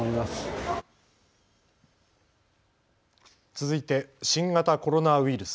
続いて新型コロナウイルス。